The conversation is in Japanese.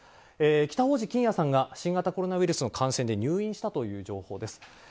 北大路欣也さんが新型コロナウイルスの感染で入院したという情報です。